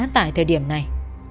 tại thời điểm này